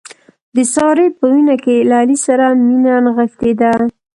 د سارې په وینه کې له علي سره مینه نغښتې ده.